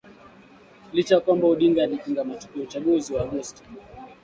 licha ya kwamba Odinga alipinga matokeo ya uchaguzi wa Agosti